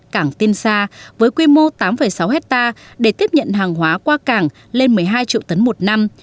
cảng tiên sa với quy mô tám sáu hectare để tiếp nhận hàng hóa qua cảng lên một mươi hai triệu tấn một năm